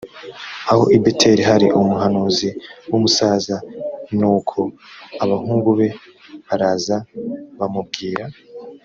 aho i beteli hari umuhanuzi w umusaza l nuko abahungu be baraza bamubwira